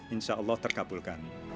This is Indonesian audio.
insya allah terkabulkan